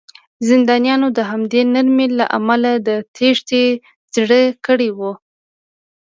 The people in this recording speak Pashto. زندانیانو د همدې نرمۍ له امله د تېښتې زړه کړی و